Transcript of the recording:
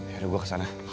yaudah gue kesana